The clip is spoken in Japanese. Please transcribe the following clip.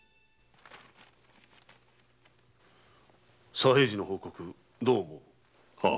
左平次の報告どう思う？